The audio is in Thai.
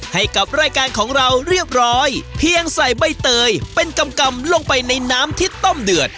ให้กับรายการของเราเรียบร้อยเพียงใส่ใบเตยเป็นกำลงไปในน้ำที่ต้มเดือด